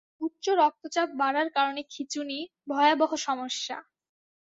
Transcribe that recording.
উচ্চ রক্তচাপ বাড়ার কারণে খিঁচুনি, ভয়াবহ সমস্যা।